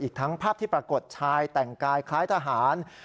ทั้งภาพที่ปรากฏชายแต่งกายคล้ายทหาร